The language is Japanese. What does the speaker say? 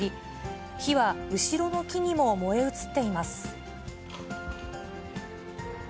火は、後ろの木にも燃え移っています。